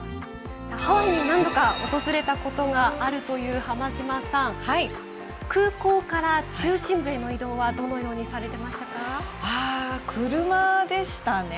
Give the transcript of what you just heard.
ハワイに何度か訪れたことがあるという浜島さん、空港から中心部への移動は車でしたね。